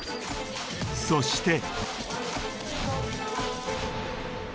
［そして］